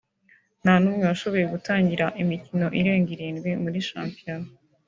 nta n’umwe washoboye gutangira imikino irenga irindwi muri shampiyona